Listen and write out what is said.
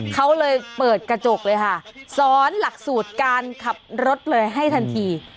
เขาเลยเปิดกระจกเลยค่ะสอนหลักสูตรการขับรถเลยให้ทันที